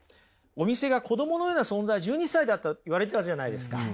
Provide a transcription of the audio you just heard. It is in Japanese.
お店が子どものような存在１２歳だと言われたじゃないですか。